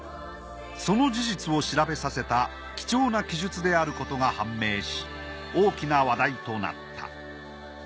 その事実を調べさせた貴重な記述であることが判明し大きな話題となった。